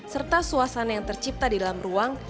serta suasana yang tercipta di dalam ruang